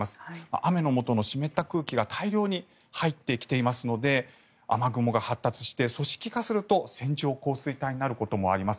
雨のもとの湿った空気が大量に入ってきていますので雨雲が発達して組織化すると線状降水帯になることもあります。